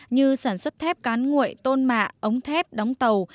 như sản xuất thép cán nguội tôn mạ ống thép đóng tàu